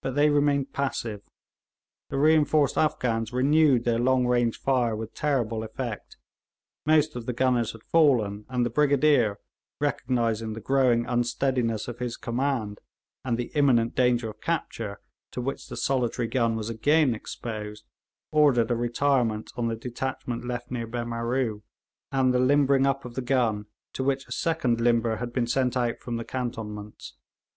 But they remained passive. The reinforced Afghans renewed their long range fire with terrible effect; most of the gunners had fallen, and the Brigadier, recognising the growing unsteadiness of his command and the imminent danger of capture to which the solitary gun was again exposed, ordered a retirement on the detachment left near Behmaroo and the limbering up of the gun, to which a second limber had been sent out from the cantonments.